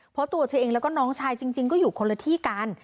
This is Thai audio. เพราะตัวเธอเองแล้วก็น้องชายจริงก็อยู่คนละที่กัน